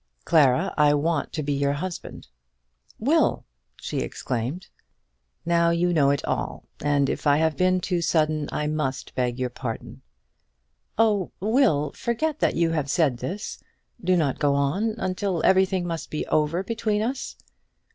Clara, I want to be your husband." "Will!" she exclaimed. "Now you know it all; and if I have been too sudden, I must beg your pardon." "Oh, Will, forget that you have said this. Do not go on until everything must be over between us."